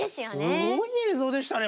すごい映像でしたね